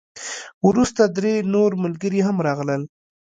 وروسته درې نور ملګري هم راغلل.